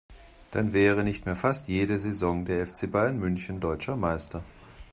Dann wäre nicht mehr fast jede Saison der FC Bayern München deutscher Meister.